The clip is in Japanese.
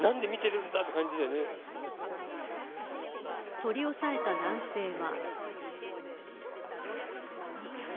取り押さえた男性は。